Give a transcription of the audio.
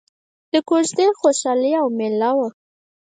د کوژدې خوشحالي او ميله وه.